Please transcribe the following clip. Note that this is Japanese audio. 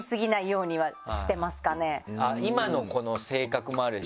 今の子の性格もあるでしょ